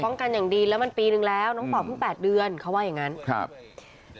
กันอย่างดีแล้วมันปีนึงแล้วน้องเป่าเพิ่ง๘เดือนเขาว่าอย่างงั้นครับ